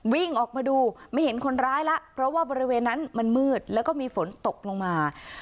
วิ่งออกมาดูไม่เห็นคนร้ายแล้วเพราะว่าบริเวณนั้นมันมืดแล้วก็มีฝนตกลงมา